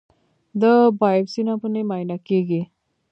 د بایوپسي نمونې معاینه کېږي.